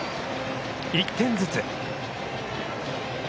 １点ずつ。